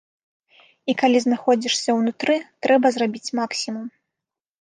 А калі знаходзішся ўнутры, трэба зрабіць максімум.